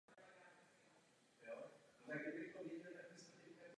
Zachovala se pouze torza čtyř soch.